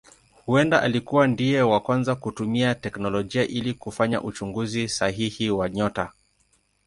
Huenda alikuwa ndiye wa kwanza kutumia teknolojia ili kufanya uchunguzi sahihi wa nyota.